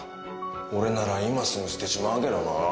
俺なら今すぐ捨てちまうけどな。